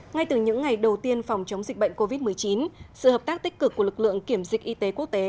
ngay từ những ngày đầu tiên phòng chống dịch bệnh covid một mươi chín sự hợp tác tích cực của lực lượng kiểm dịch y tế quốc tế